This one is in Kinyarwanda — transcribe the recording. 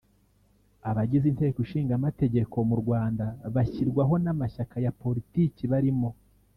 Abagize Inteko ishinga mategeko mu Rwanda bashyirwaho n’amashyaka ya Politiki barimo